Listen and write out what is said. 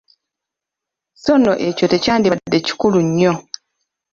Sso nno ekyo tekyandibadde kikulu nnyo.